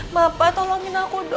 maaf pak tolongin aku dong